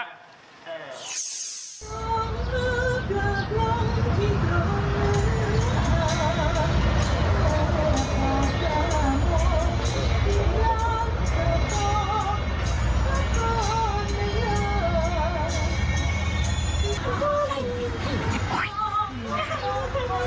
นี่มันีวุราชของเราครับก็เธอก็จะช่วยได้ฟิสุมสิหรอครับ